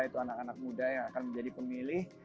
itu anak anak muda yang akan menjadi pemilih